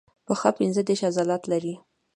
پښه پنځه دیرش عضلات لري.